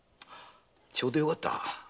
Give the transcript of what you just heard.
ちょうどよかった。